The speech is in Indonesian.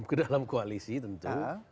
kedalam koalisi tentu